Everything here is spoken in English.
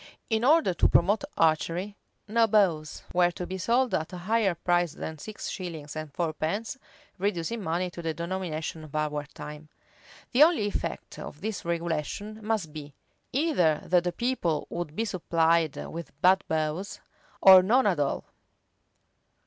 [] In order to promote archery, no bows were to be sold at a higher price than six shillings and fourpence,[] reducing money to the denomination of our time. The only effect of this regulation must be, either that the people would be supplied with bad bows, or none at all.